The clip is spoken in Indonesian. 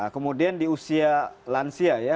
kemudian di usia lansia ya